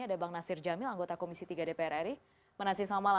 ada bang nasir jamil anggota komisi tiga dpr ri